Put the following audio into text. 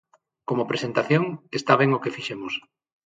Como presentación, está ben o que fixemos.